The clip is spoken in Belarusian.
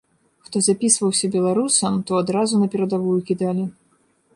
Хто запісваўся беларусам, то адразу на перадавую кідалі.